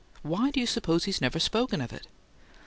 WHY do you suppose he's never spoken of it?"